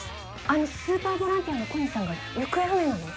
あのスーパーボランティアの小西さんが行方不明なの？